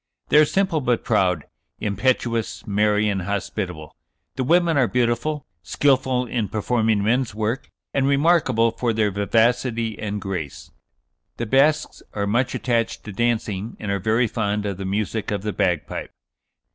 They are simple but proud, impetuous, merry, and hospitable. The women are beautiful, skilful in performing men's work, and remarkable for their vivacity and grace. The Basques are much attached to dancing, and are very fond of the music of the bagpipe."